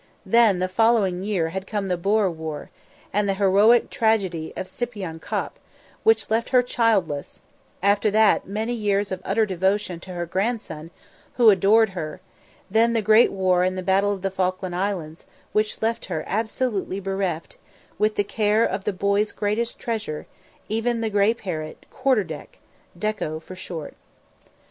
Then the following year had come the Boer War, and the heroic tragedy of Spion Kop, which left her childless; after that, many years of utter devotion, to her grandson, who adored her; then the Great War and the Battle of the Falkland Islands, which left her absolutely bereft, with the care of the boy's greatest treasure, even the grey parrot, Quarter Deck, Dekko for short.